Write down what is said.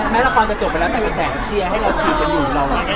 แม้ละครจะจบไปแล้วแต่ว่าแสงเชียร์ให้เราถีดกันอยู่เรา